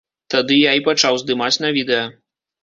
Тады я і пачаў здымаць на відэа.